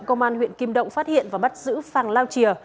công an huyện kim động phát hiện và bắt giữ phàng lao chìa